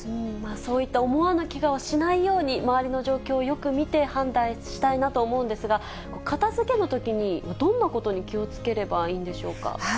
そういった思わぬけがをしないように周りの状況をよく見て、判断したいなと思うんですが、片づけのときに、どんなことに気をつければいいんでしょうか。